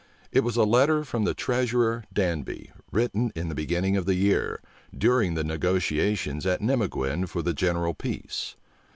It was a letter from the treasurer Danby, written in the beginning of the year, during the negotiations at Nimeguen for the general peace.